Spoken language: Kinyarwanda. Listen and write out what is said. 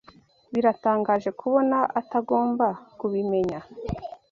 Biratangaje kubona atagomba kubimenya.